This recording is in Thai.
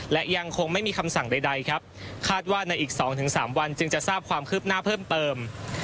และยังคงไม่มีคำสั่งใดครับคาดว่าในอีก๒๓วันจึงจะทราบความคืบหน้าเพิ่มเติม